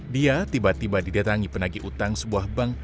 dia tiba tiba didatangi penagi utang sebuah bank